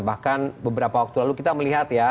bahkan beberapa waktu lalu kita melihat ya